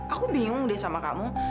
aku bingung deh sama kamu